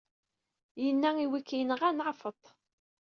Yenna i wi k-yenɣan: ɛeffeṭ!